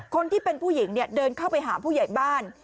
คนที่เป็นผู้หญิงเนี่ยเดินเข้าไปหาผู้ใหญ่บ้าน